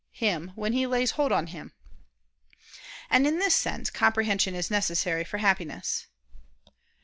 '] him when he lays hold on him. And in this sense comprehension is necessary for Happiness.